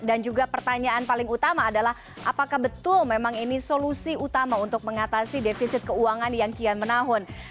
dan pertanyaan utama adalah apakah ini solusi utama untuk mengatasi defisit keuangan yang kian menahun